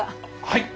はい。